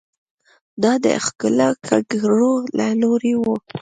دا د ښکېلاکګرو له لوري وو.